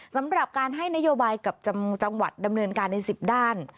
สำหรับการให้นโยบายกับจังหวัดดำเนินการใน๑๐ด้าน